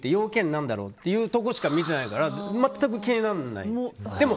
何だろうっていうところしか見てないから全く気にならないです。